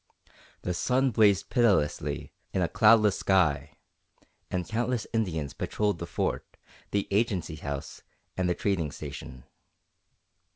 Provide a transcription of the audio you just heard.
The sun blazed pitilessly in a cloudless sky and countless Indians patrolled the Fort, the Agency House, and the trading station.